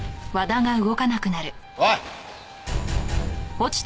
おい！